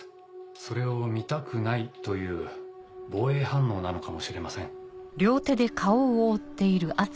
それを見たくないという防衛反応なのかもしれません。